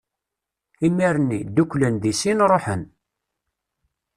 Imir-nni, dduklen di sin, ṛuḥen.